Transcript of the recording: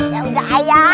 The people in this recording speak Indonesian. ya udah ayang